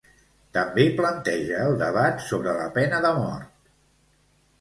També planteja el debat sobre la pena de mort.